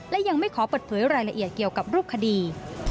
และยังไม่ขอเปิดเผยรายละเอียดเกี่ยวกับรูปคดี